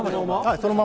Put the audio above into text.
そのまま？